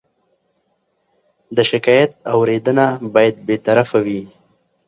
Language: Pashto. د شکایت اورېدنه باید بېطرفه وي.